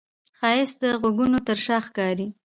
ښایست د غږونو تر شا ښکاري